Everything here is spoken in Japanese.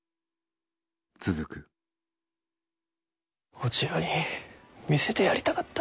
お千代に見せてやりたかった。